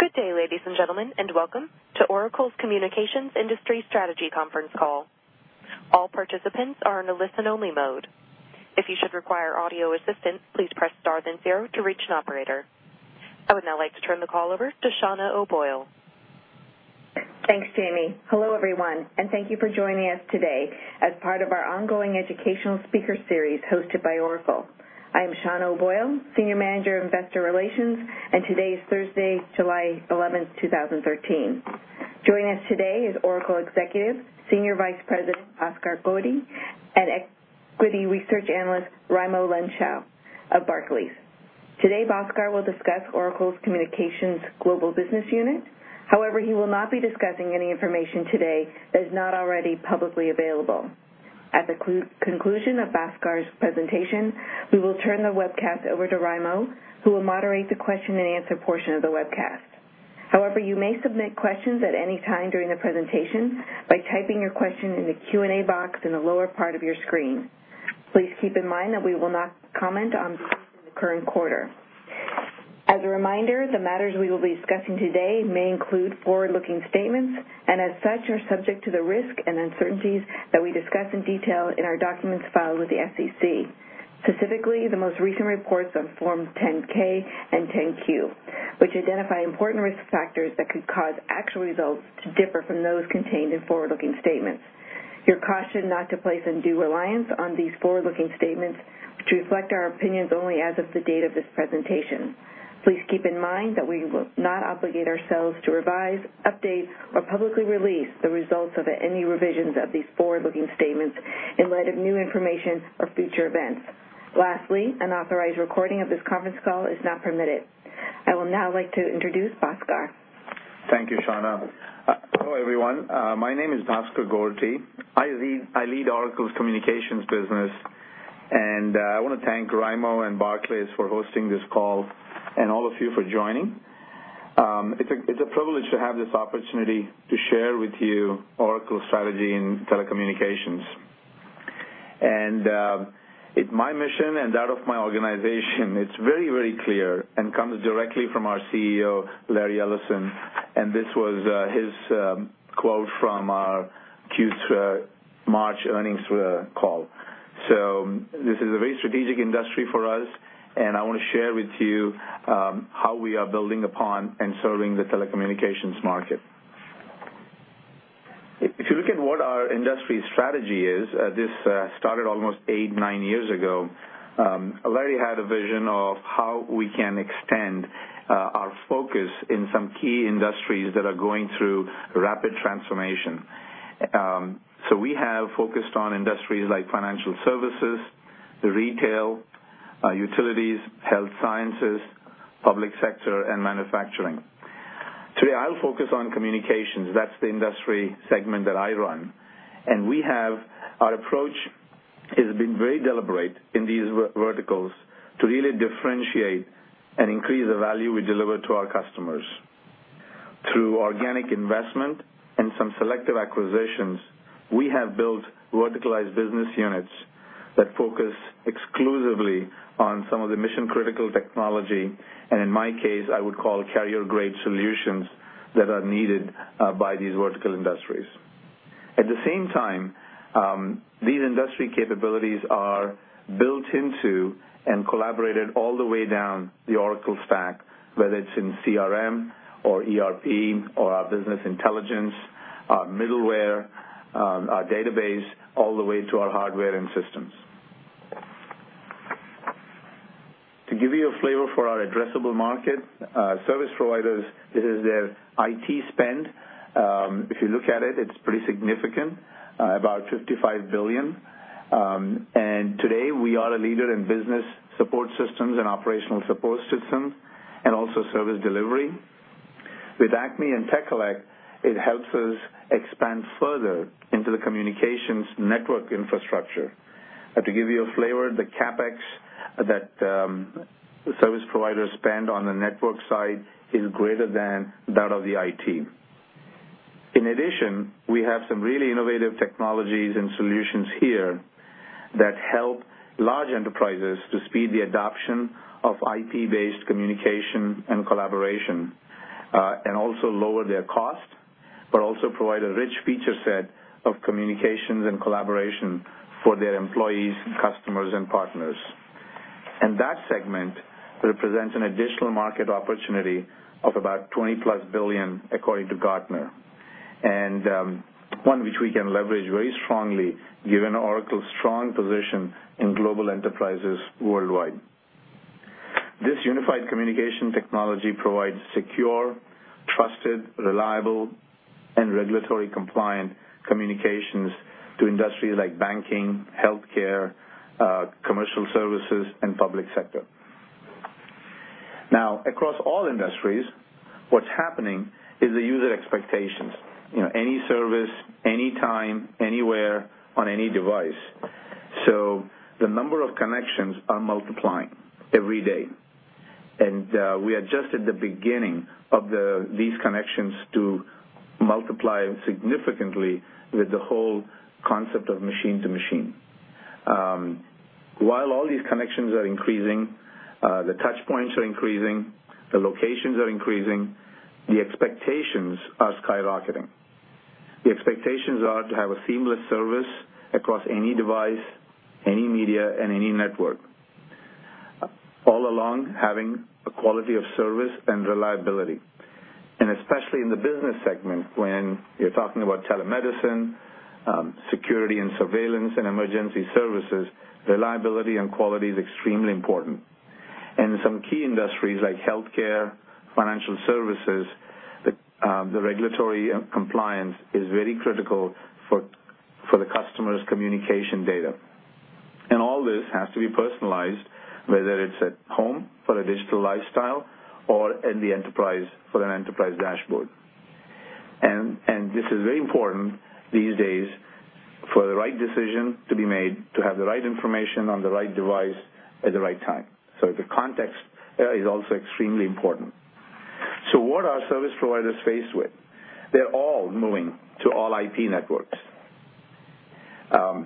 Good day, ladies and gentlemen, and welcome to Oracle Communications Industry Strategy conference call. All participants are in a listen-only mode. If you should require audio assistance, please press star then zero to reach an operator. I would now like to turn the call over to Shauna O'Boyle. Thanks, Jamie. Hello everyone, and thank you for joining us today as part of our ongoing educational speaker series hosted by Oracle. I am Shauna O'Boyle, Senior Manager, Investor Relations, and today is Thursday, July 11th, 2013. Joining us today is Oracle executive, Senior Vice President, Bhaskar Gorti, and equity research analyst, Raimo Lenschow of Barclays. Today, Bhaskar will discuss Oracle Communications Global Business Unit. However, he will not be discussing any information today that is not already publicly available. At the conclusion of Bhaskar's presentation, we will turn the webcast over to Raimo, who will moderate the question and answer portion of the webcast. However, you may submit questions at any time during the presentation by typing your question in the Q&A box in the lower part of your screen. Please keep in mind that we will not comment on the current quarter. As a reminder, the matters we will be discussing today may include forward-looking statements, and as such, are subject to the risk and uncertainties that we discuss in detail in our documents filed with the SEC, specifically, the most recent reports on forms 10-K and 10-Q, which identify important risk factors that could cause actual results to differ from those contained in forward-looking statements. You're cautioned not to place undue reliance on these forward-looking statements, which reflect our opinions only as of the date of this presentation. Please keep in mind that we will not obligate ourselves to revise, update, or publicly release the results of any revisions of these forward-looking statements in light of new information or future events. Lastly, unauthorized recording of this conference call is not permitted. I will now like to introduce Bhaskar. Thank you, Shauna. Hello, everyone. My name is Bhaskar Gorti. I lead Oracle Communications business, and I want to thank Raimo and Barclays for hosting this call and all of you for joining. It's a privilege to have this opportunity to share with you Oracle's strategy in telecommunications. My mission and that of my organization, it's very clear and comes directly from our CEO, Larry Ellison, this was his quote from our March earnings call. This is a very strategic industry for us, and I want to share with you how we are building upon and serving the telecommunications market. If you look at what our industry strategy is, this started almost eight, nine years ago. Larry had a vision of how we can extend our focus in some key industries that are going through rapid transformation. We have focused on industries like financial services, retail, utilities, health sciences, public sector, and manufacturing. Today, I'll focus on communications. That's the industry segment that I run. Our approach has been very deliberate in these verticals to really differentiate and increase the value we deliver to our customers. Through organic investment and some selective acquisitions, we have built verticalized business units that focus exclusively on some of the mission-critical technology, and in my case, I would call carrier-grade solutions that are needed by these vertical industries. At the same time, these industry capabilities are built into and collaborated all the way down the Oracle stack, whether it's in CRM or ERP or our business intelligence, our middleware, our database, all the way to our hardware and systems. To give you a flavor for our addressable market, service providers, this is their IT spend. If you look at it's pretty significant, about $55 billion. Today, we are a leader in business support systems and operational support systems, and also service delivery. With Acme Packet and Tekelec, it helps us expand further into the communications network infrastructure. To give you a flavor, the CapEx that service providers spend on the network side is greater than that of the IT. In addition, we have some really innovative technologies and solutions here that help large enterprises to speed the adoption of IP-based communication and collaboration, and also lower their cost, but also provide a rich feature set of communications and collaboration for their employees, customers, and partners. That segment represents an additional market opportunity of about $20-plus billion, according to Gartner, and one which we can leverage very strongly given Oracle's strong position in global enterprises worldwide. This unified communication technology provides secure, trusted, reliable, and regulatory-compliant communications to industries like banking, healthcare, commercial services, and public sector. Now, across all industries, what's happening is the user expectations. Any service, anytime, anywhere, on any device. The number of connections are multiplying every day, and we are just at the beginning of these connections to multiply significantly with the whole concept of machine to machine. While all these connections are increasing, the touch points are increasing, the locations are increasing, the expectations are skyrocketing. The expectations are to have a seamless service across any device, any media, and any network, all along having a quality of service and reliability. Especially in the business segment, when you're talking about telemedicine, security and surveillance, and emergency services, reliability and quality is extremely important. Some key industries like healthcare, financial services, the regulatory compliance is very critical for the customer's communication data. All this has to be personalized, whether it's at home for a digital lifestyle or in the enterprise for an enterprise dashboard. This is very important these days for the right decision to be made, to have the right information on the right device at the right time. The context there is also extremely important. What are service providers faced with? They're all moving to all IP networks.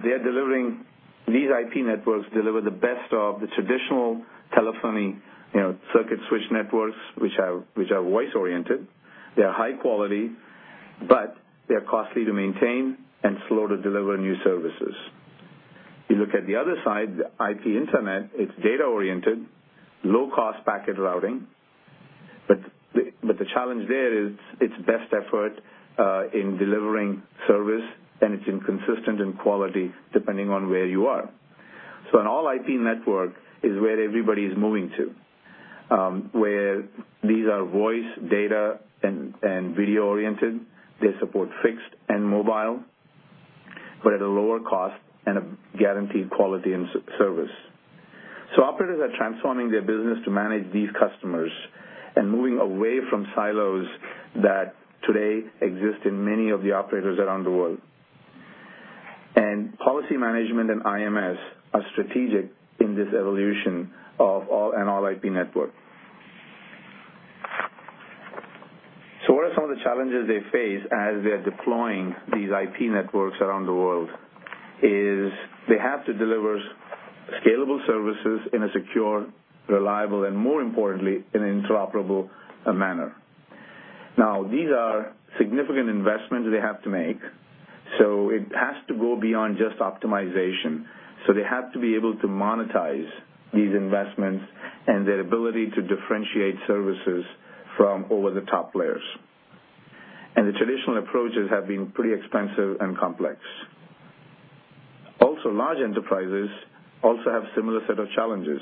These IP networks deliver the best of the traditional telephony circuit switch networks, which are voice-oriented. They're high quality, but they're costly to maintain and slow to deliver new services. You look at the other side, the IP internet, it's data-oriented, low-cost packet routing. The challenge there is it's best effort in delivering service, and it's inconsistent in quality depending on where you are. An all IP network is where everybody's moving to, where these are voice, data, and video-oriented. They support fixed and mobile, but at a lower cost and a guaranteed quality in service. Operators are transforming their business to manage these customers and moving away from silos that today exist in many of the operators around the world. Policy management and IMS are strategic in this evolution of an all IP network. What are some of the challenges they face as they're deploying these IP networks around the world? They have to deliver scalable services in a secure, reliable, and more importantly, in an interoperable manner. These are significant investments they have to make, so it has to go beyond just optimization. They have to be able to monetize these investments and their ability to differentiate services from over-the-top layers. The traditional approaches have been pretty expensive and complex. Large enterprises also have similar set of challenges.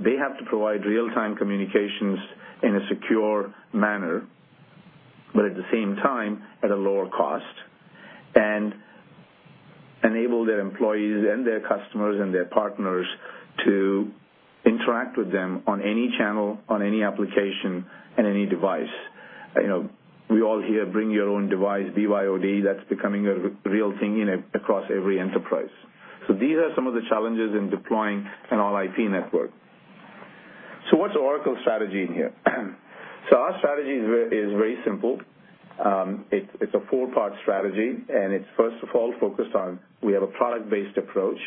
They have to provide real-time communications in a secure manner, but at the same time, at a lower cost, and enable their employees and their customers and their partners to interact with them on any channel, on any application, and any device. We all hear bring your own device, BYOD. That's becoming a real thing across every enterprise. These are some of the challenges in deploying an all IP network. What's Oracle's strategy in here? Our strategy is very simple. It's a four-part strategy, and it's first of all focused on we have a product-based approach.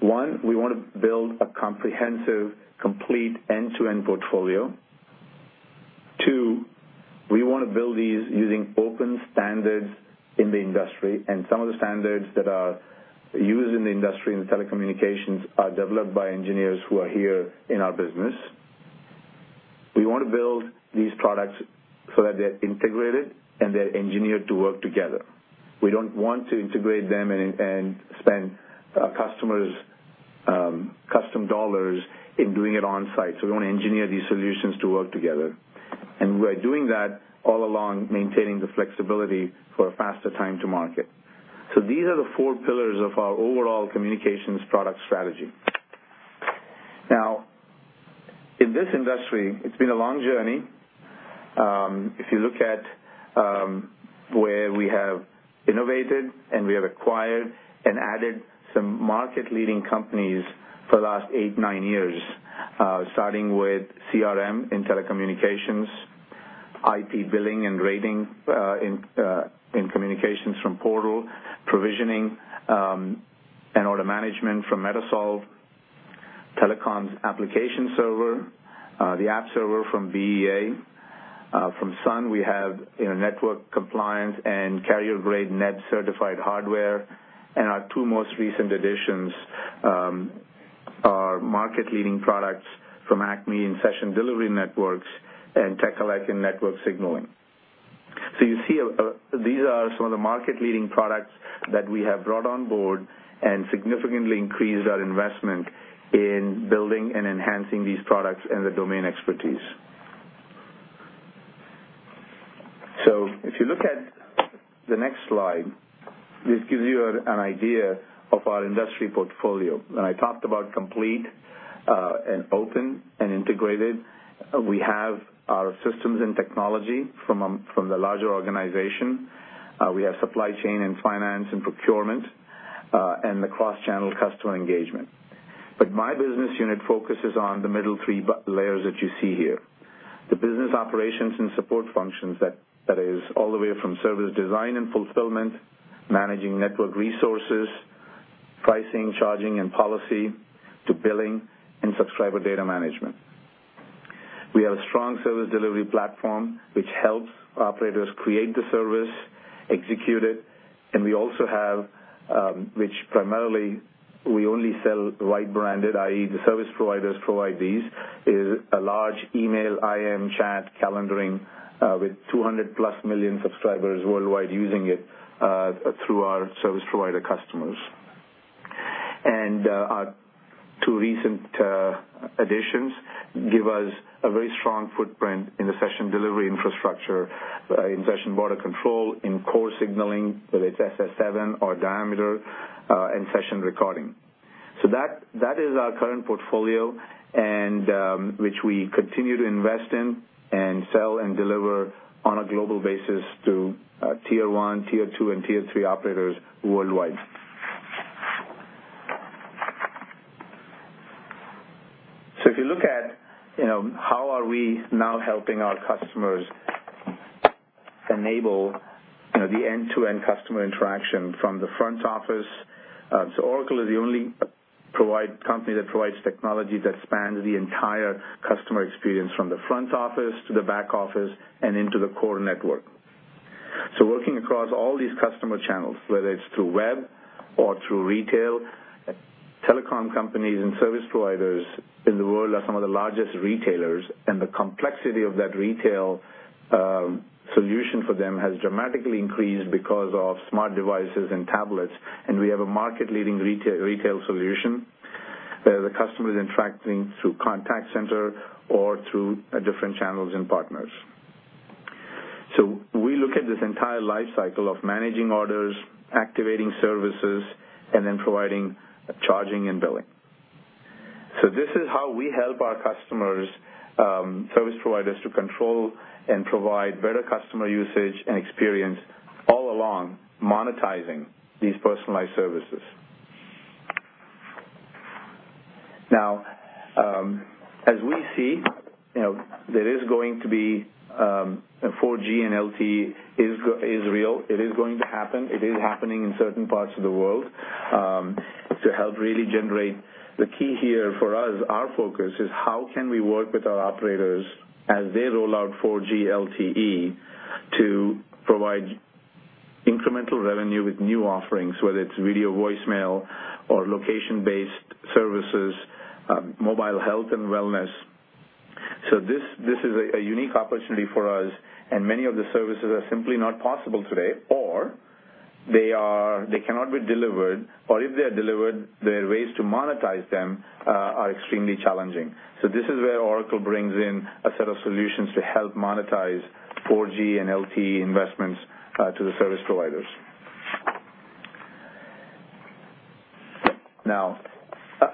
One, we want to build a comprehensive, complete end-to-end portfolio. Two, we want to build these using open standards in the industry, and some of the standards that are used in the industry in the telecommunications are developed by engineers who are here in our business. We want to build these products so that they're integrated and they're engineered to work together. We don't want to integrate them and spend customers' custom dollars in doing it on-site. We want to engineer these solutions to work together. We're doing that all along maintaining the flexibility for a faster time to market. These are the four pillars of our overall communications product strategy. In this industry, it's been a long journey. If you look at where we have innovated, and we have acquired and added some market-leading companies for the last eight, nine years, starting with CRM in telecommunications, IP billing and rating in communications from Portal provisioning, and order management from MetaSolv, Telecom's application server, the app server from BEA. From Sun, we have network compliance and carrier-grade net certified hardware. Our two most recent additions are market-leading products from Acme in session delivery networks and Tekelec in network signaling. You see these are some of the market-leading products that we have brought on board and significantly increased our investment in building and enhancing these products and the domain expertise. If you look at the next slide, this gives you an idea of our industry portfolio. I talked about complete and open and integrated. We have our systems and technology from the larger organization. My business unit focuses on the middle three layers that you see here. The business operations and support functions, that is all the way from service design and fulfillment, managing network resources, pricing, charging and policy, to billing and subscriber data management. We have a strong service delivery platform, which helps operators create the service, execute it, and we also have, which primarily we only sell white branded, i.e. the service providers provide these, is a large email, IM, chat, calendaring with 200-plus million subscribers worldwide using it through our service provider customers. Our two recent additions give us a very strong footprint in the session delivery infrastructure, in session border control, in core signaling, whether it's SS7 or Diameter, and session recording. That is our current portfolio, which we continue to invest in and sell and deliver on a global basis to tier 1, tier 2, and tier 3 operators worldwide. If you look at how are we now helping our customers enable the end-to-end customer interaction from the front office. Oracle is the only company that provides technology that spans the entire customer experience from the front office to the back office and into the core network. Working across all these customer channels, whether it's through web or through retail. Telecom companies and service providers in the world are some of the largest retailers, and the complexity of that retail solution for them has dramatically increased because of smart devices and tablets, and we have a market-leading retail solution. The customer is interacting through contact center or through different channels and partners. We look at this entire life cycle of managing orders, activating services, and then providing charging and billing. This is how we help our customers, service providers to control and provide better customer usage and experience all along, monetizing these personalized services. Now, as we see, there is going to be a 4G and LTE is real. It is going to happen. It is happening in certain parts of the world. To help really generate the key here for us, our focus is how can we work with our operators as they roll out 4G LTE to provide incremental revenue with new offerings, whether it's video voicemail or location-based services, mobile health and wellness. This is a unique opportunity for us, and many of the services are simply not possible today, or they cannot be delivered. If they are delivered, the ways to monetize them are extremely challenging. This is where Oracle brings in a set of solutions to help monetize 4G and LTE investments to the service providers. Now,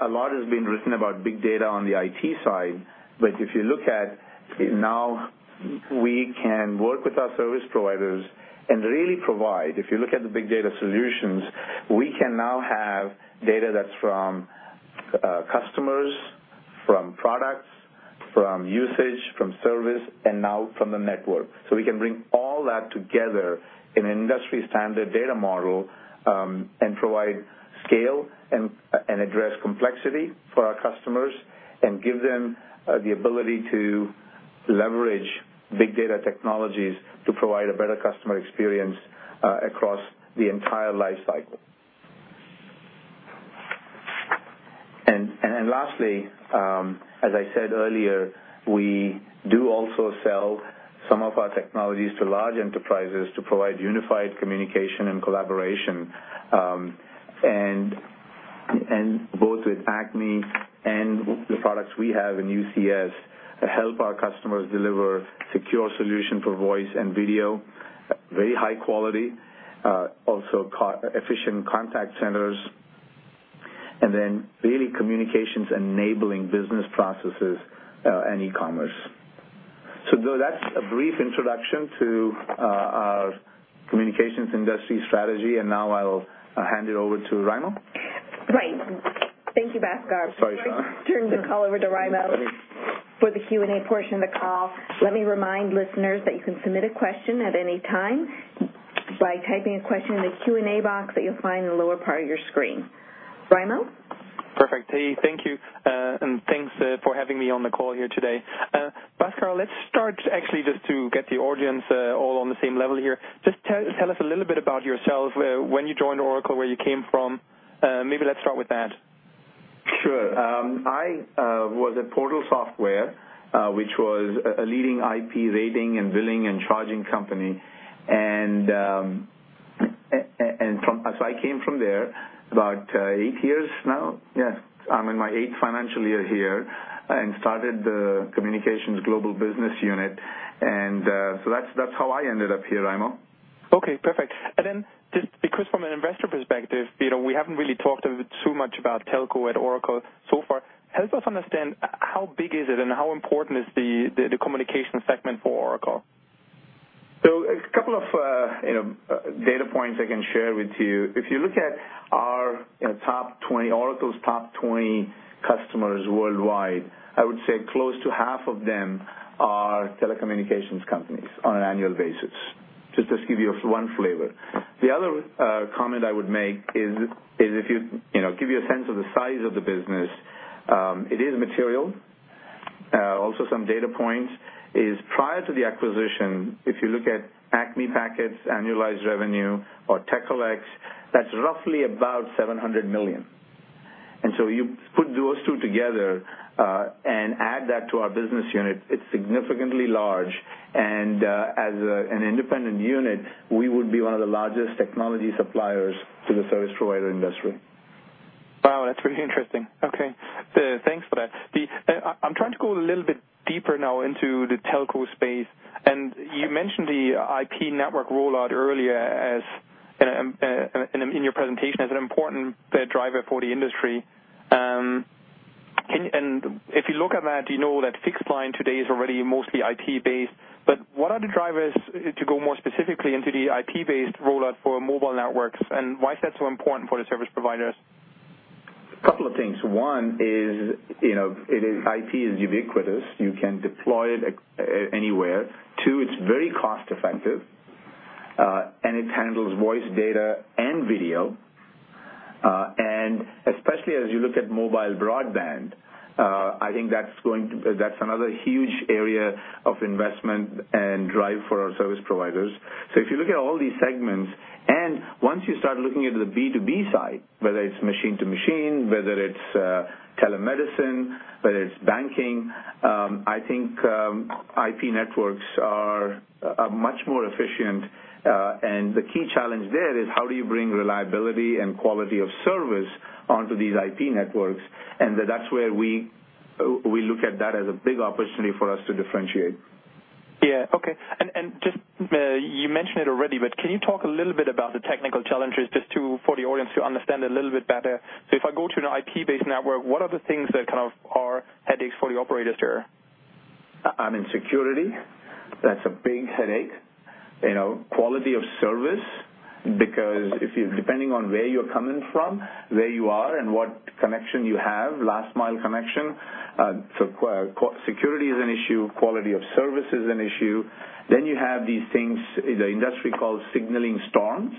a lot has been written about big data on the IT side, if you look at now we can work with our service providers and really provide, if you look at the big data solutions, we can now have data that's from customers, from products, from usage, from service, and now from the network. We can bring all that together in an industry-standard data model and provide scale and address complexity for our customers and give them the ability to leverage big data technologies to provide a better customer experience across the entire life cycle. Lastly, as I said earlier, we do also sell some of our technologies to large enterprises to provide unified communication and collaboration. Both with Acme and the products we have in UCS help our customers deliver secure solution for voice and video at very high quality, also efficient contact centers, really communications enabling business processes and e-commerce. That's a brief introduction to our communications industry strategy, now I'll hand it over to Raimo. Great. Thank you, Bhaskar. Sorry, Shauna. Turn the call over to Raimo for the Q&A portion of the call. Let me remind listeners that you can submit a question at any time by typing a question in the Q&A box that you'll find in the lower part of your screen. Raimo? Perfect. Hey, thank you, and thanks for having me on the call here today. Bhaskar, let's start actually just to get the audience all on the same level here. Just tell us a little bit about yourself, when you joined Oracle, where you came from. Maybe let's start with that. Sure. I was at Portal Software, which was a leading IP rating and billing and charging company. I came from there about eight years now. Yes, I'm in my eighth financial year here and started the communications global business unit, that's how I ended up here, Raimo. Okay, perfect. Just because from an investor perspective, we haven't really talked too much about telco at Oracle so far. Help us understand how big is it and how important is the communications segment for Oracle? A couple of data points I can share with you. If you look at Oracle's top 20 customers worldwide, I would say close to half of them are telecommunications companies on an annual basis. Just to give you one flavor. The other comment I would make is, to give you a sense of the size of the business, it is material. Also some data points is, prior to the acquisition, if you look at Acme Packet's annualized revenue or Tekelec, that's roughly about $700 million. You put those two together, and add that to our business unit, it's significantly large, and, as an independent unit, we would be one of the largest technology suppliers to the service provider industry. Wow, that's really interesting. Okay. Thanks for that. I'm trying to go a little bit deeper now into the telco space, and you mentioned the IP network rollout earlier in your presentation as an important driver for the industry. If you look at that, you know that fixed line today is already mostly IP-based, but what are the drivers to go more specifically into the IP-based rollout for mobile networks, and why is that so important for the service providers? A couple of things. One is, IP is ubiquitous. You can deploy it anywhere. Two, it's very cost effective, and it handles voice, data, and video. Especially as you look at mobile broadband, I think that's another huge area of investment and drive for our service providers. If you look at all these segments, and once you start looking at the B2B side, whether it's machine to machine, whether it's telemedicine, whether it's banking, I think IP networks are much more efficient. The key challenge there is how do you bring reliability and quality of service onto these IP networks? That's where we look at that as a big opportunity for us to differentiate. Yeah. Okay. You mentioned it already, but can you talk a little bit about the technical challenges just for the audience to understand a little bit better? If I go to an IP-based network, what are the things that kind of are headaches for the operators there? I mean, security, that's a big headache. Quality of service, because depending on where you're coming from, where you are and what connection you have, last mile connection, security is an issue, quality of service is an issue. You have these things the industry calls signaling storms,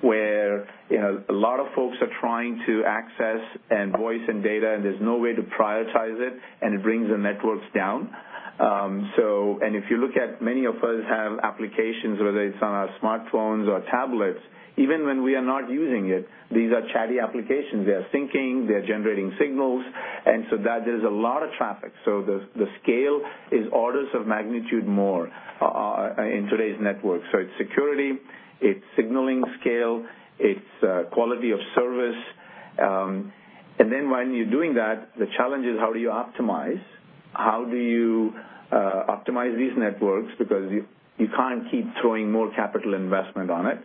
where a lot of folks are trying to access voice and data, and there's no way to prioritize it, and it brings the networks down. If you look at many of us have applications, whether it's on our smartphones or tablets, even when we are not using it, these are chatty applications. They are syncing, they're generating signals, and so there's a lot of traffic. The scale is orders of magnitude more in today's network. It's security, it's signaling scale, it's quality of service. When you're doing that, the challenge is how do you optimize? How do you optimize these networks? Because you can't keep throwing more capital investment on it.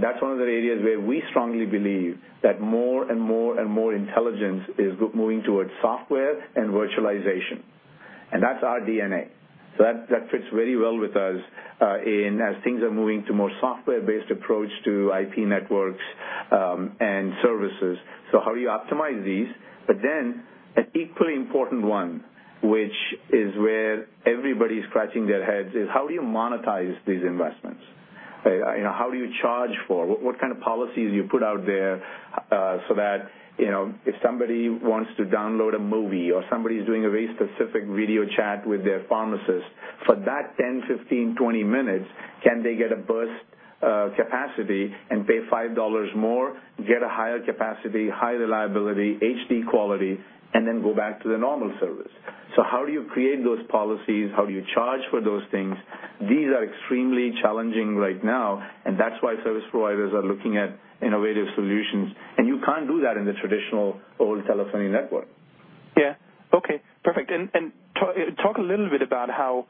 That's one of the areas where we strongly believe that more and more and more intelligence is moving towards software and virtualization, and that's our DNA. That fits very well with us as things are moving to more software-based approach to IP networks, and services. How you optimize these. An equally important one, which is where everybody's scratching their heads, is how do you monetize these investments? How do you charge for, what kind of policies you put out there so that if somebody wants to download a movie or somebody's doing a very specific video chat with their pharmacist, for that 10, 15, 20 minutes, can they get a burst capacity and pay $5 more, get a higher capacity, high reliability, HD quality, then go back to the normal service? How do you create those policies? How do you charge for those things? These are extremely challenging right now, that's why service providers are looking at innovative solutions, and you can't do that in the traditional old telephony network. Yeah. Okay, perfect. Talk a little bit about how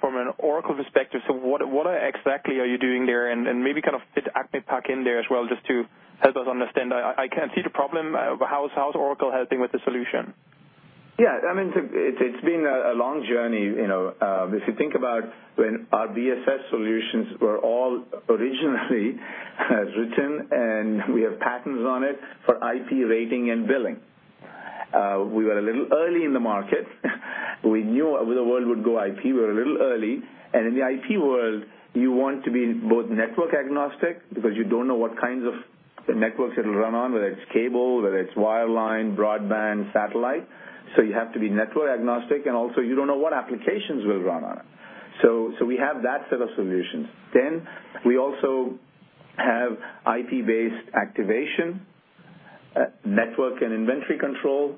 from an Oracle perspective, what exactly are you doing there? Maybe kind of fit Acme Packet in there as well just to help us understand. I can see the problem, but how is Oracle helping with the solution? Yeah. I mean, it's been a long journey. If you think about when our BSS solutions were all originally written, and we have patents on it for IP rating and billing. We were a little early in the market. We knew the world would go IP. We were a little early. In the IP world, you want to be both network agnostic because you don't know what kinds of networks it'll run on, whether it's cable, whether it's wireline, broadband, satellite. You have to be network agnostic, and also you don't know what applications will run on it. We have that set of solutions. We also have IP-based activation, network and inventory control,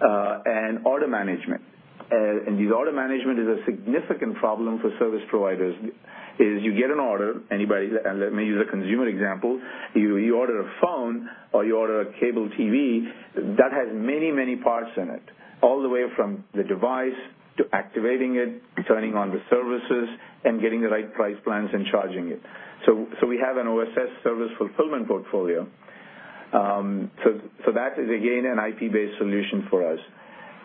and order management. This order management is a significant problem for service providers, is you get an order, anybody, and let me use a consumer example. You order a phone or you order a cable TV that has many, many parts in it, all the way from the device to activating it, turning on the services, and getting the right price plans and charging it. We have an OSS service fulfillment portfolio. That is again an IP-based solution for us.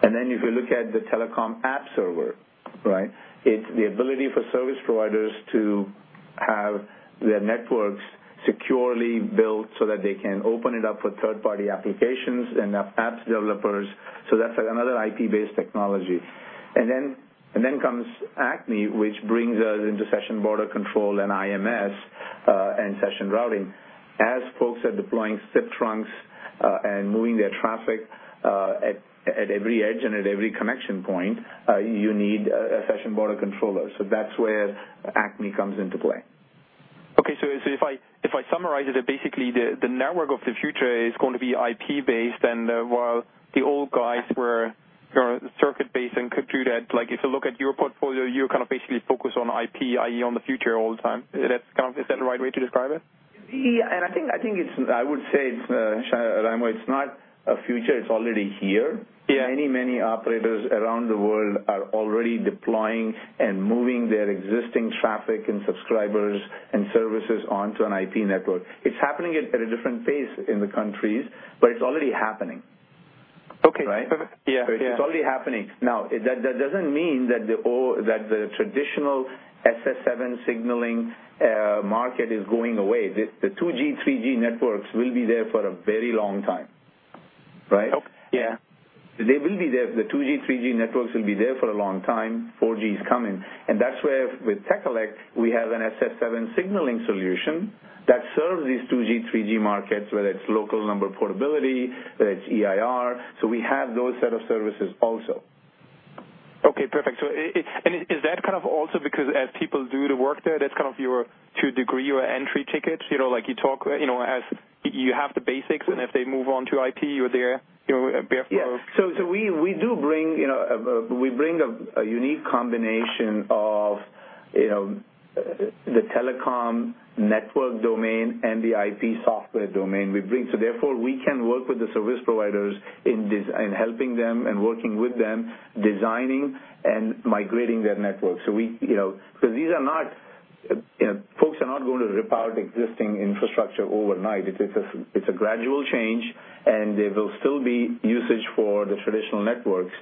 If you look at the telecom app server, it's the ability for service providers to have their networks securely built so that they can open it up for third-party applications and have apps developers. That's another IP-based technology. Comes Acme, which brings us into session border controller and IMS, and session routing. As folks are deploying SIP trunks, and moving their traffic, at every edge and at every connection point, you need a session border controller. That's where Acme comes into play. Okay. If I summarize it, basically the network of the future is going to be IP-based, and while the old guys were circuit-based and computed, like if you look at your portfolio, you basically focus on IP, i.e., on the future all the time. Is that the right way to describe it? Yeah, I would say, Shauna, it's not a future, it's already here. Yeah. Many operators around the world are already deploying and moving their existing traffic and subscribers and services onto an IP network. It's happening at a different pace in the countries, but it's already happening. Okay. Right? Yeah. It's already happening. That doesn't mean that the traditional SS7 signaling market is going away. The 2G, 3G networks will be there for a very long time. Right? Okay. Yeah. The 2G, 3G networks will be there for a long time. 4G is coming. That's where with Tekelec, we have an SS7 signaling solution that serves these 2G, 3G markets, whether it's local number portability, whether it's EIR. We have those set of services also. Okay, perfect. Is that kind of also because as people do the work there, that's kind of your entry ticket? Like you have the basics, and if they move on to IT, you're there. We bring a unique combination of the telecom network domain and the IP software domain. Therefore, we can work with the service providers in helping them and working with them, designing and migrating their networks. Folks are not going to rip out existing infrastructure overnight. It's a gradual change, and there will still be usage for the traditional networks.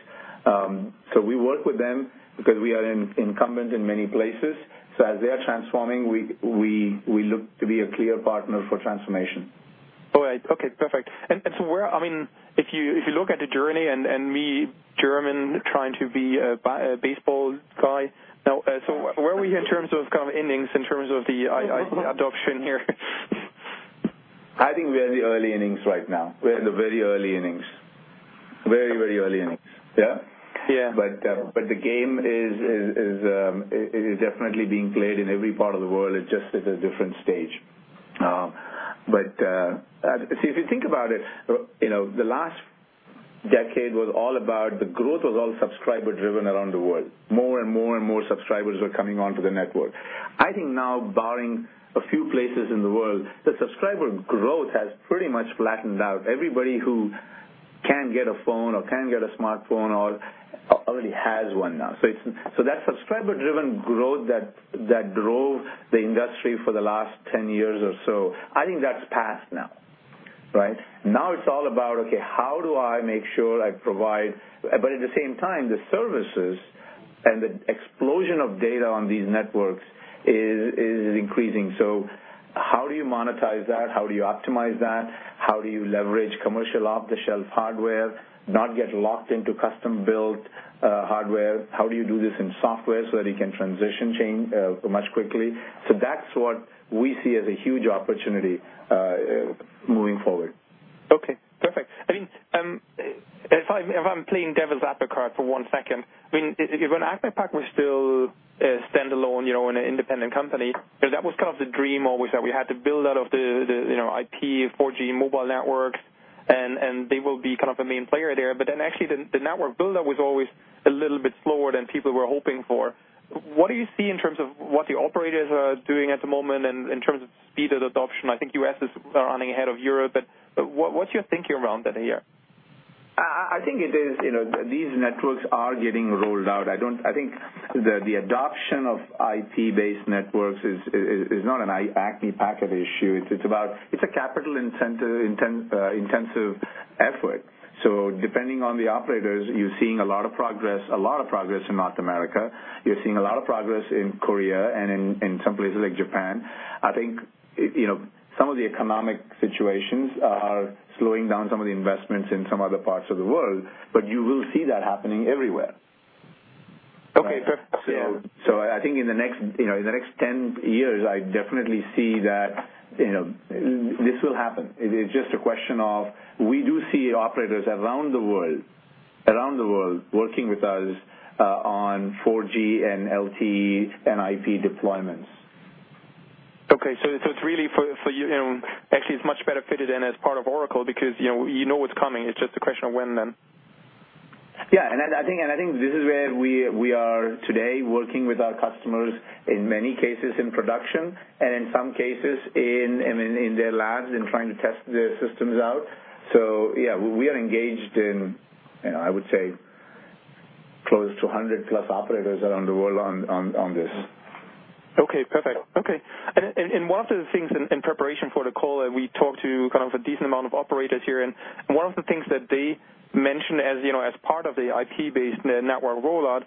We work with them because we are incumbent in many places. As they are transforming, we look to be a clear partner for transformation. All right. Okay, perfect. If you look at the journey and me, German, trying to be a baseball guy now, where are we in terms of innings, in terms of the adoption here? I think we are in the early innings right now. We're in the very early innings. Very early innings. Yeah? Yeah. The game is definitely being played in every part of the world. It's just at a different stage. See, if you think about it, the last decade was all about the growth was all subscriber-driven around the world. More and more subscribers were coming onto the network. I think now, barring a few places in the world, the subscriber growth has pretty much flattened out. Everybody who can get a phone or can get a smartphone already has one now. That subscriber-driven growth that drove the industry for the last 10 years or so, I think that's passed now. Right? Now it's all about, okay, how do I make sure I provide But at the same time, the services and the explosion of data on these networks is increasing. How do you monetize that? How do you optimize that? How do you leverage commercial off-the-shelf hardware, not get locked into custom-built hardware? How do you do this in software so that you can transition change much quickly? That's what we see as a huge opportunity moving forward. Okay, perfect. If I'm playing devil's advocate for one second, when Acme Packet was still a standalone, an independent company, that was kind of the dream always that we had to build out of the IP 4G mobile networks, and they will be a main player there. Actually, the network builder was always a little bit slower than people were hoping for. What do you see in terms of what the operators are doing at the moment and in terms of speed of adoption? I think U.S. is running ahead of Europe, but what's your thinking around that here? I think these networks are getting rolled out. I think the adoption of IP-based networks is not an Acme Packet issue. It's a capital-intensive effort. Depending on the operators, you're seeing a lot of progress in North America. You're seeing a lot of progress in Korea and in some places like Japan. I think some of the economic situations are slowing down some of the investments in some other parts of the world, you will see that happening everywhere. Okay, perfect. I think in the next 10 years, I definitely see that this will happen. It is just a question of, we do see operators around the world working with us on 4G and LTE and IP deployments. Okay. Actually it's much better fitted in as part of Oracle because you know what's coming. It's just a question of when, then. Yeah. I think this is where we are today, working with our customers, in many cases, in production, and in some cases, in their labs and trying to test their systems out. Yeah, we are engaged in, I would say close to 100-plus operators around the world on this. Okay, perfect. One of the things in preparation for the call that we talked to a decent amount of operators here, and one of the things that they mentioned as part of the IP-based network rollout,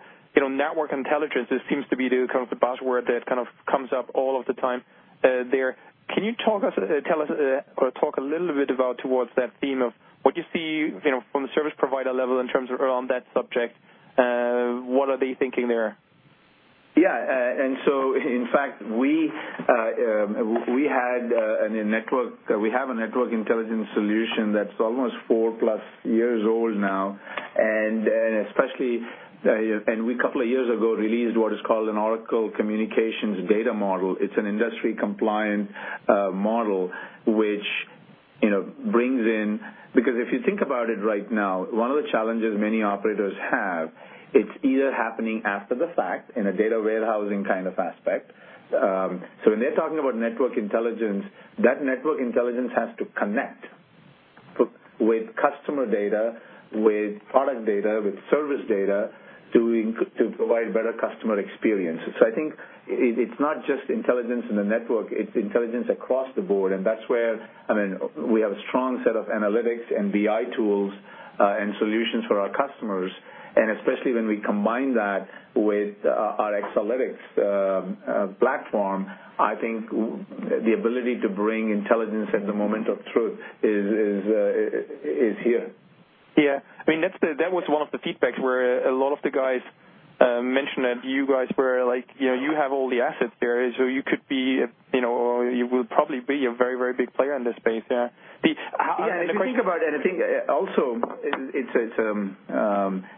network intelligence seems to be the buzzword that comes up all of the time there. Can you talk a little bit about towards that theme of what you see from the service provider level in terms around that subject? What are they thinking there? Yeah. In fact, we have a network intelligence solution that's almost four-plus years old now. We, a couple of years ago, released what is called an Oracle Communications Data Model. It's an industry-compliant model which brings in Because if you think about it right now, one of the challenges many operators have, it's either happening after the fact in a data warehousing kind of aspect. When they're talking about network intelligence, that network intelligence has to connect with customer data, with product data, with service data, to provide better customer experiences. I think it's not just intelligence in the network, it's intelligence across the board. That's where we have a strong set of analytics and BI tools, and solutions for our customers. Especially when we combine that with our Oracle Exalytics platform, I think the ability to bring intelligence at the moment of truth is here. Yeah. That was one of the feedbacks where a lot of the guys mentioned that you guys were like, you have all the assets there, you could be, or you will probably be a very, very big player in this space, yeah. Yeah. If you think about it, I think also,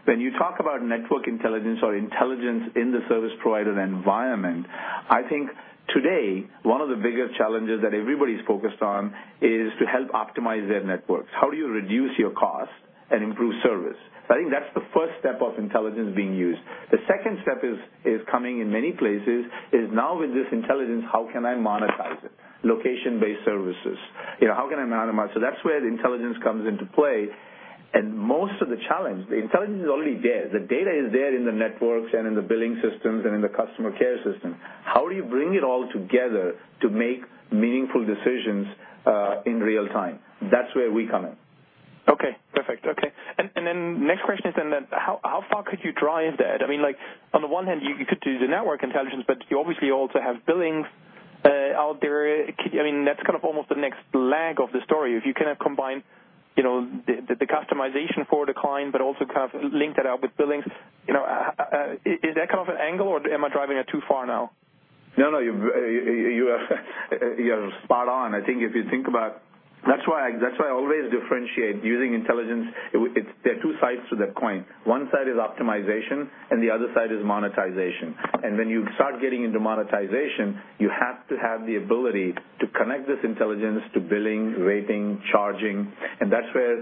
when you talk about network intelligence or intelligence in the service provider environment, I think today, one of the biggest challenges that everybody's focused on is to help optimize their networks. How do you reduce your cost and improve service? I think that's the first step of intelligence being used. The second step is coming in many places, is now with this intelligence, how can I monetize it? Location-based services. How can I monetize? That's where the intelligence comes into play and the intelligence is already there. The data is there in the networks and in the billing systems, and in the customer care system. How do you bring it all together to make meaningful decisions in real time? That's where we come in. Okay, perfect. Next question is, how far could you drive that? On the one hand, you could do the network intelligence. You obviously also have billings out there. That's almost the next leg of the story. If you combine the customization for the client, also link that up with billings. Is that kind of an angle or am I driving it too far now? No, you're spot on. That's why I always differentiate using intelligence. There are two sides to that coin. One side is optimization, and the other side is monetization. When you start getting into monetization, you have to have the ability to connect this intelligence to billing, rating, charging. That's where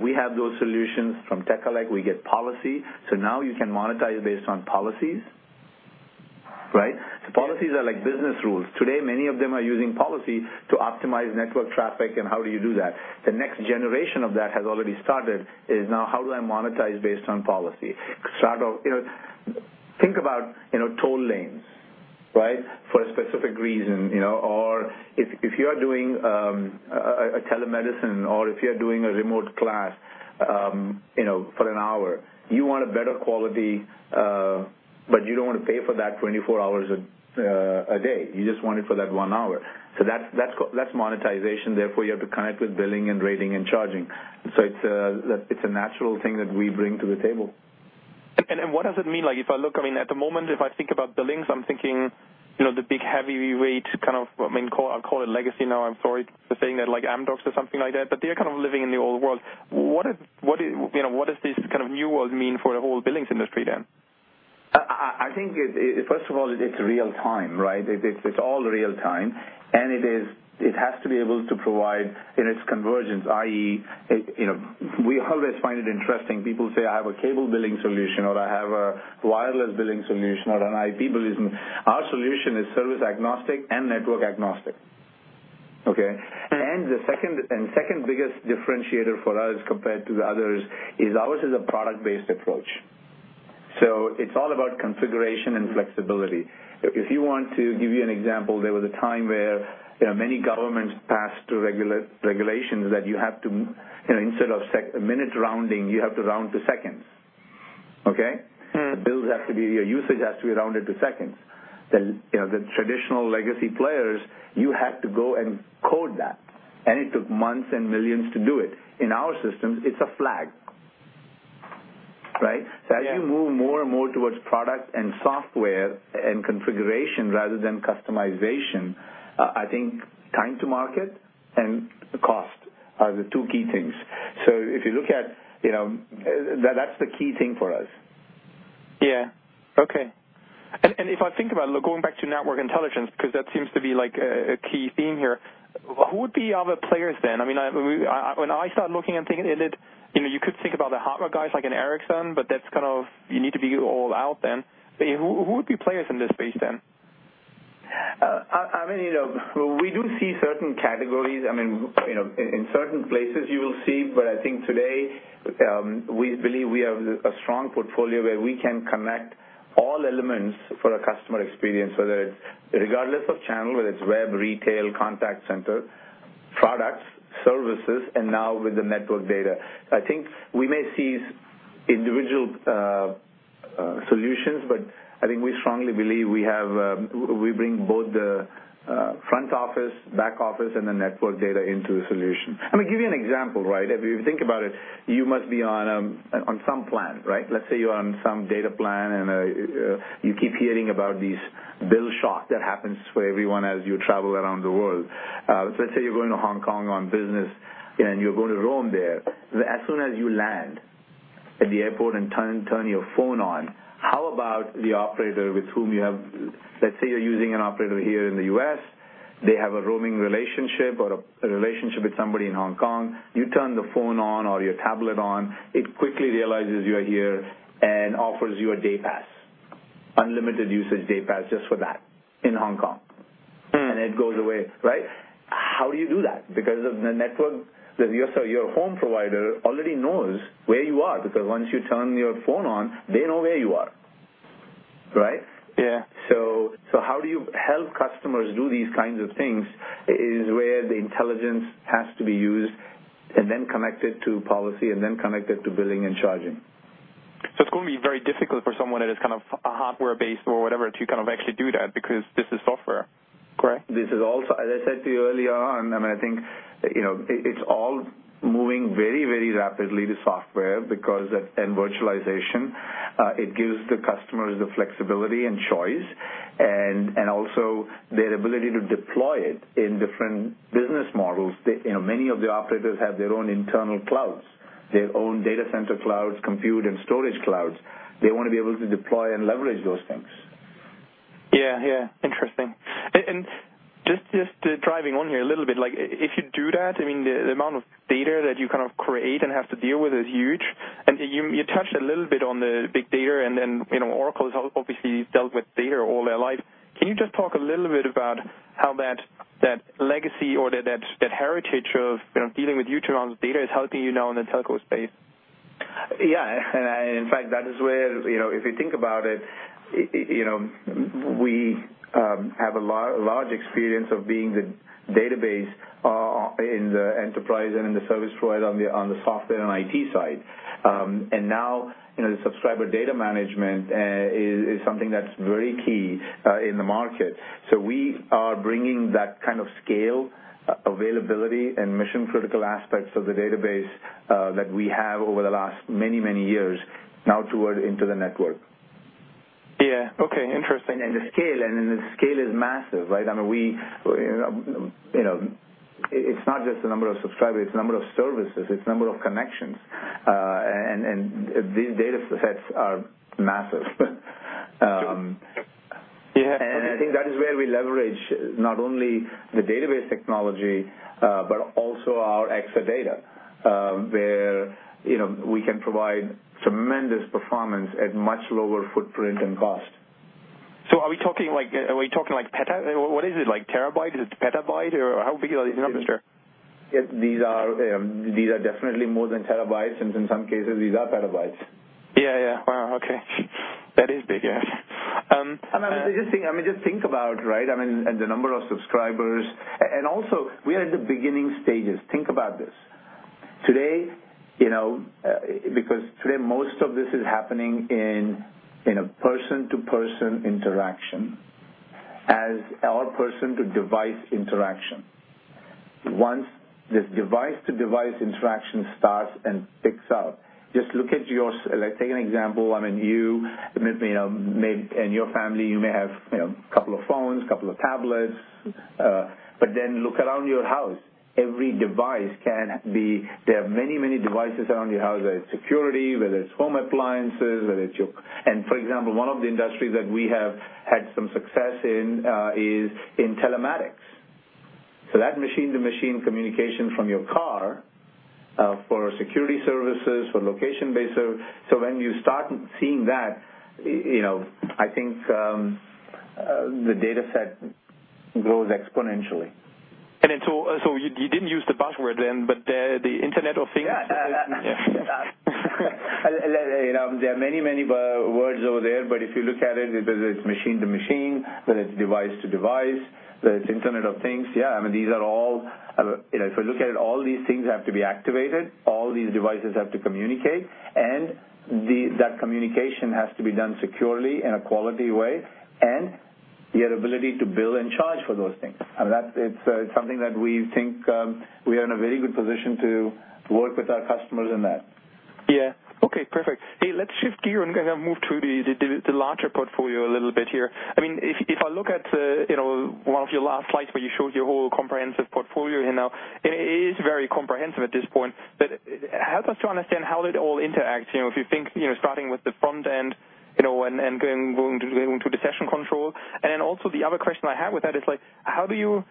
we have those solutions from Tekelec. We get policy. Now you can monetize based on policies. Right? Yeah. Policies are like business rules. Today, many of them are using policy to optimize network traffic and how do you do that. The next generation of that has already started, is now how do I monetize based on policy? Think about toll lanes. For a specific reason, or if you are doing a telemedicine or if you're doing a remote class for an hour, you want a better quality, but you don't want to pay for that 24 hours a day. You just want it for that 1 hour. That's monetization. Therefore, you have to connect with billing and rating and charging. It's a natural thing that we bring to the table. What does it mean? If I look at the moment, if I think about billings, I'm thinking the big heavyweight, I'll call it legacy now, I'm sorry for saying that, like Amdocs or something like that. They're living in the old world. What does this new world mean for the whole billings industry? I think, first of all, it's real time, right? It's all real time. It has to be able to provide its convergence, i.e., we always find it interesting, people say, "I have a cable billing solution," or, "I have a wireless billing solution or an IP billing." Our solution is service-agnostic and network-agnostic. Okay? The second biggest differentiator for us compared to the others is ours is a product-based approach. It's all about configuration and flexibility. If you want to give you an example, there was a time where many governments passed regulations that instead of minute rounding, you have to round to seconds. Okay? Your usage has to be rounded to seconds. The traditional legacy players, you had to go and code that. It took months and $ millions to do it. In our systems, it's a flag. Right? Yeah. As you move more and more towards product and software, and configuration rather than customization, I think time to market and cost are the two key things. That's the key thing for us. Yeah. Okay. If I think about, going back to network intelligence, because that seems to be a key theme here. Who would be other players then? When I start looking and thinking, you could think about the hardware guys like an Ericsson, but that's kind of, you need to be all out then. Who would be players in this space then? We do see certain categories. In certain places you will see, but I think today, we believe we have a strong portfolio where we can connect all elements for a customer experience, whether it's regardless of channel, whether it's web, retail, contact center, products, services, and now with the network data. I think we may see individual solutions, but I think we strongly believe we bring both the front office, back office, and the network data into the solution. Let me give you an example. If you think about it, you must be on some plan. Let's say you are on some data plan, and you keep hearing about these bill shock that happens for everyone as you travel around the world. Let's say you're going to Hong Kong on business, and you're going to roam there. As soon as you land at the airport and turn your phone on, how about the operator with whom you have. Let's say you're using an operator here in the U.S., they have a roaming relationship or a relationship with somebody in Hong Kong. You turn the phone on or your tablet on, it quickly realizes you're here and offers you a day pass, unlimited usage day pass just for that in Hong Kong. It goes away. How do you do that? Because of the network. Your home provider already knows where you are, because once you turn your phone on, they know where you are. Right? Yeah. How do you help customers do these kinds of things is where the intelligence has to be used, and then connected to policy, and then connected to billing and charging. It's going to be very difficult for someone that is a hardware-based or whatever to actually do that because this is software, correct? This is also, as I said to you earlier on, I think, it's all moving very rapidly to software because, and virtualization, it gives the customers the flexibility and choice and also their ability to deploy it in different business models. Many of the operators have their own internal clouds, their own data center clouds, compute and storage clouds. They want to be able to deploy and leverage those things. Yeah. Interesting. Just driving on here a little bit, if you do that, the amount of data that you create and have to deal with is huge. You touched a little bit on the big data, and then Oracle has obviously dealt with data all their life. Can you just talk a little bit about how that legacy or that heritage of dealing with huge amounts of data is helping you now in the telco space? Yeah. In fact, that is where, if you think about it, we have a large experience of being the database in the enterprise and in the service provider on the software and IT side. Now, the subscriber data management is something that's very key in the market. We are bringing that kind of scale, availability, and mission-critical aspects of the database that we have over the last many years now toward into the network. Yeah. Okay, interesting. The scale is massive. It's not just the number of subscribers, it's number of services, it's number of connections. These data sets are massive. Yeah. I think that is where we leverage not only the database technology, but also our Exadata, where we can provide tremendous performance at much lower footprint and cost. Are we talking like peta? What is it? Like terabyte? Is it petabyte, or how big are these numbers? These are definitely more than terabytes, and in some cases, these are petabytes. Yeah. Wow, okay. That is big. Yeah. Just think about the number of subscribers, also we are at the beginning stages. Think about this. Today, because today most of this is happening in a person-to-person interaction as our person-to-device interaction. Once this device-to-device interaction starts and picks up, just look at. Take an example. You and your family, you may have a couple of phones, couple of tablets, but then look around your house. There are many devices around your house, whether it's security, whether it's home appliances, whether it's. For example, one of the industries that we have had some success in is in telematics. That machine-to-machine communication from your car for security services, for location-based service. When you start seeing that, I think the data set grows exponentially. You didn't use the buzzword then, but the Internet of Things. Yeah. Yeah. There are many words over there, but if you look at it, whether it's machine to machine, whether it's device to device, whether it's Internet of Things. If I look at it, all these things have to be activated. All these devices have to communicate, and that communication has to be done securely in a quality way, and your ability to bill and charge for those things. It's something that we think we are in a very good position to work with our customers in that. Okay, perfect. Let's shift gear and move to the larger portfolio a little bit here. If I look at one of your last slides where you showed your whole comprehensive portfolio, it is very comprehensive at this point, but help us to understand how it all interacts. If you think starting with the front end, going to the session control. Then also the other question I have with that is, how do you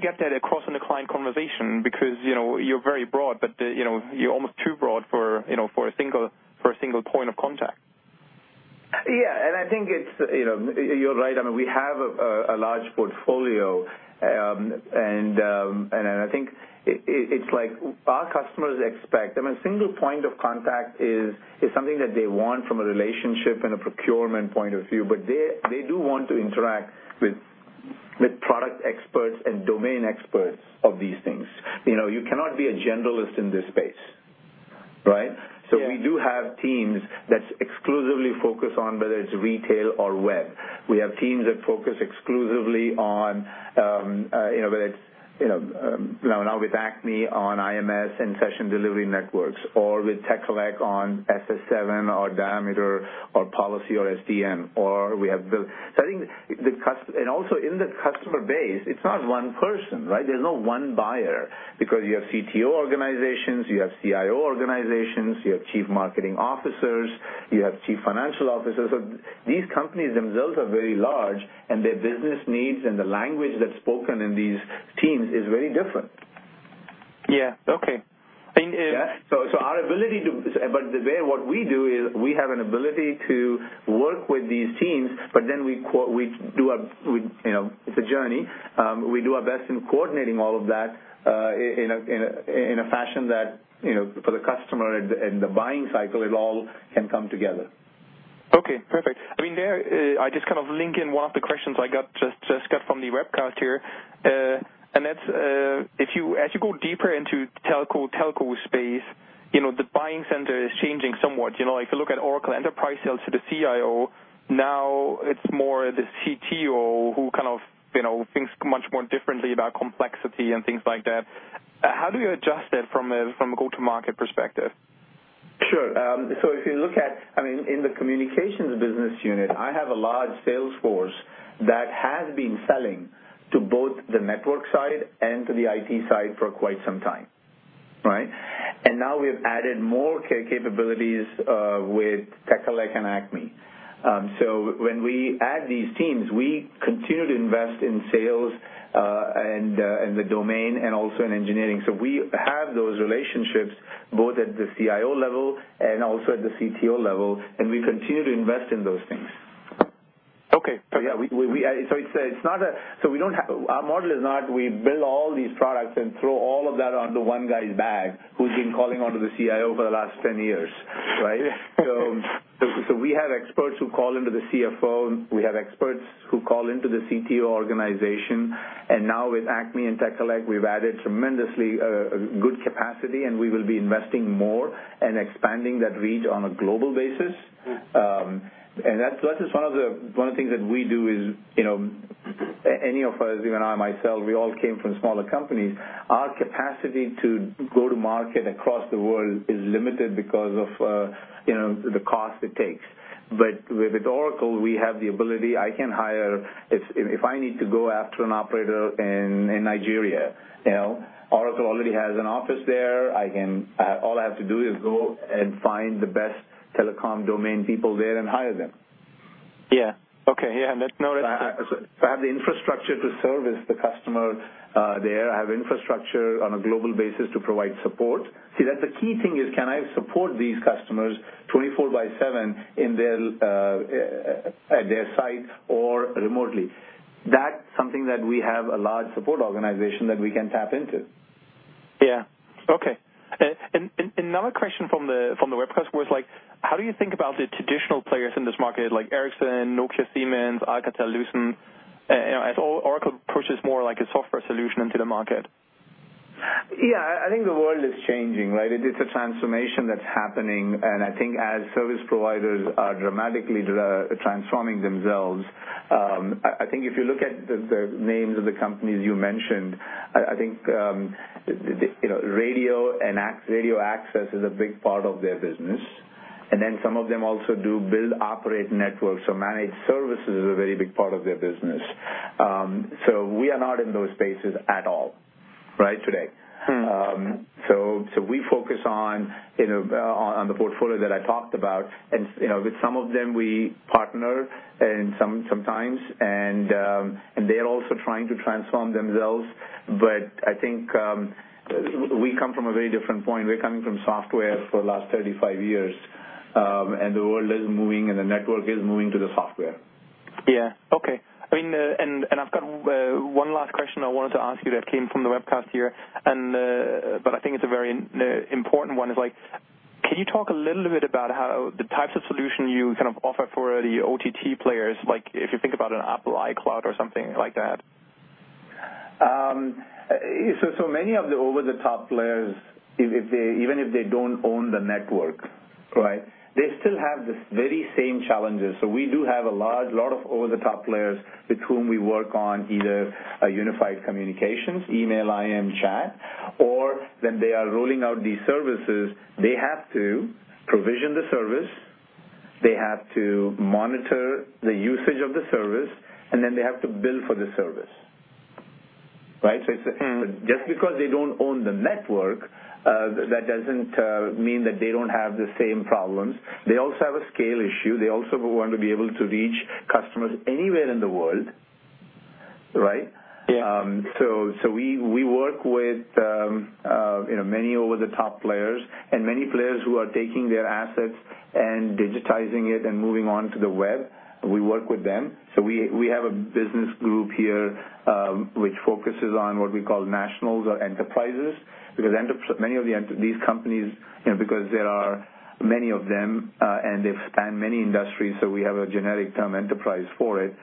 get that across in a client conversation because you're very broad, but you're almost too broad for a single point of contact? I think you're right. We have a large portfolio, and I think it's like our customers expect. A single point of contact is something that they want from a relationship and a procurement point of view, but they do want to interact with product experts and domain experts of these things. You cannot be a generalist in this space. Right? Yeah. We do have teams that exclusively focus on whether it's retail or web. We have teams that focus exclusively on, whether it's, now with Acme, on IMS and session delivery networks, or with Tekelec on SS7 or Diameter or policy or SDN. Also, in the customer base, it's not one person. There's no one buyer because you have CTO organizations, you have CIO organizations, you have chief marketing officers, you have chief financial officers. These companies themselves are very large, and their business needs and the language that's spoken in these teams is very different. Yeah. Okay. Yeah. What we do is we have an ability to work with these teams, it's a journey. We do our best in coordinating all of that, in a fashion that for the customer and the buying cycle, it all can come together. Okay, perfect. There, I just link in one of the questions I just got from the webcast here, that's, as you go deeper into telco space, the buying center is changing somewhat. If you look at Oracle enterprise sales to the CIO, now it's more the CTO who thinks much more differently about complexity and things like that. How do you adjust that from a go-to-market perspective? Sure. If you look at, in the communications business unit, I have a large sales force that has been selling to both the network side and to the IT side for quite some time. Right? Now we've added more capabilities, with Tekelec and Acme. When we add these teams, we continue to invest in sales, the domain, and also in engineering. We have those relationships both at the CIO level and also at the CTO level, and we continue to invest in those things. Okay. Our model is not we build all these products and throw all of that onto one guy's bag who's been calling onto the CIO for the last 10 years. Right? Yeah. We have experts who call into the CFO, and we have experts who call into the CTO organization. Now with Acme and Tekelec, we've added tremendously good capacity, and we will be investing more and expanding that reach on a global basis. That is one of the things that we do is, any of us, even I myself, we all came from smaller companies. Our capacity to go to market across the world is limited because of the cost it takes. With Oracle, we have the ability, I can hire If I need to go after an operator in Nigeria, Oracle already has an office there. All I have to do is go and find the best telecom domain people there and hire them. Yeah. Okay. Yeah. That's noted. I have the infrastructure to service the customer there. I have infrastructure on a global basis to provide support. That's the key thing is can I support these customers 24/7 at their sites or remotely? That's something that we have a large support organization that we can tap into. Yeah. Okay. Another question from the webcast was like, how do you think about the traditional players in this market, like Ericsson, Nokia, Siemens, Alcatel-Lucent, as Oracle pushes more like a software solution into the market? Yeah. I think the world is changing. It's a transformation that's happening, and I think as service providers are dramatically transforming themselves, I think if you look at the names of the companies you mentioned, I think radio access is a big part of their business. Then some of them also do build operate networks, so managed service is a very big part of their business. We are not in those spaces at all today. We focus on the portfolio that I talked about. With some of them, we partner sometimes, and they're also trying to transform themselves. I think, we come from a very different point. We're coming from software for the last 35 years, and the world is moving, and the network is moving to the software. Yeah. Okay. I've got one last question I wanted to ask you that came from the webcast here. I think it's a very important one, is, like, can you talk a little bit about how the types of solution you offer for the OTT players, like if you think about an Apple iCloud or something like that? Many of the over-the-top players, even if they don't own the network, they still have the very same challenges. We do have a lot of over-the-top players with whom we work on either a unified communications, email, IM, chat, or when they are rolling out these services, they have to provision the service, they have to monitor the usage of the service, and then they have to bill for the service. Right? Just because they don't own the network, that doesn't mean that they don't have the same problems. They also have a scale issue. They also want to be able to reach customers anywhere in the world. Right? Yeah. We work with many over-the-top players and many players who are taking their assets and digitizing it and moving on to the web. We work with them. We have a business group here which focuses on what we call nationals or enterprises, because these companies, because there are many of them and many industries, we have a generic term enterprise for it.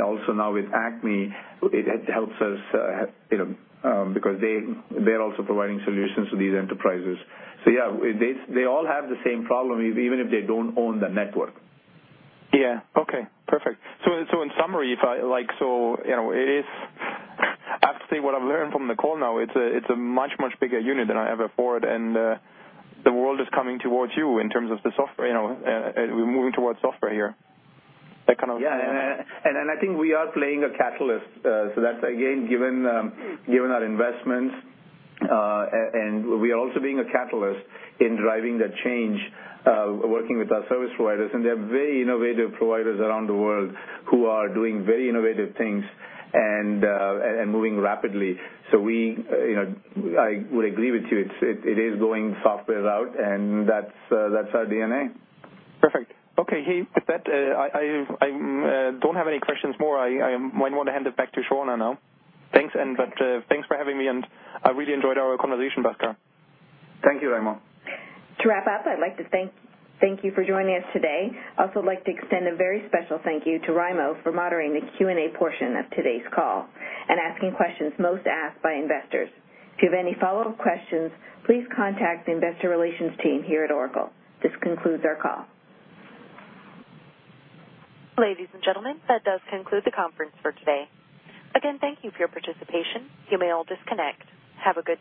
Also now with Acme, it helps us, because they're also providing solutions to these enterprises. Yeah, they all have the same problem, even if they don't own the network. Okay, perfect. In summary, I have to say what I've learned from the call now, it's a much bigger unit than I ever thought, and the world is coming towards you in terms of the software. We're moving towards software here. Yeah. I think we are playing a catalyst. That's, again, given our investments, and we are also being a catalyst in driving that change, working with our service providers. There are very innovative providers around the world who are doing very innovative things and moving rapidly. I would agree with you. It is going software route, and that's our DNA. Perfect. Okay. With that, I don't have any questions more. I might want to hand it back to Shauna now. Thanks for having me, and I really enjoyed our conversation, Bhaskar. Thank you, Raimo. To wrap up, I'd like to thank you for joining us today. I'd also like to extend a very special thank you to Raimo for moderating the Q&A portion of today's call and asking questions most asked by investors. If you have any follow-up questions, please contact the investor relations team here at Oracle. This concludes our call. Ladies and gentlemen, that does conclude the conference for today. Again, thank you for your participation. You may all disconnect. Have a good day.